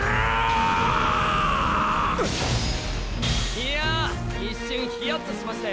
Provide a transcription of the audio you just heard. いや一瞬ヒヤッとしましたよ。